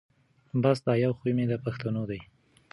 بس دا یو خوی مي د پښتنو دی